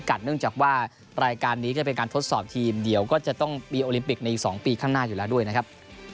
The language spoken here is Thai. เนื่องจากว่ารายการนี้จะเป็นการทดสอบทีมเดี๋ยวก็จะต้องมีโอลิมปิกในอีก๒ปีข้างหน้าอยู่แล้วด้วยนะครับ